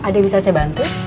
ada yang bisa saya bantu